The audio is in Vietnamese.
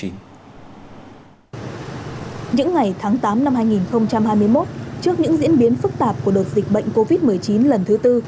những ngày tháng tám năm hai nghìn hai mươi một trước những diễn biến phức tạp của đợt dịch bệnh covid một mươi chín lần thứ tư